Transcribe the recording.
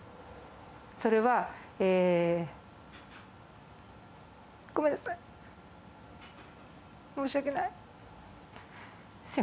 それは、ごめんなさい、申し訳ない。